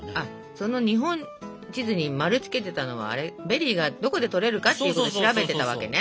その日本地図に丸つけてたのはベリーがどこで採れるかっていうことを調べてたわけね。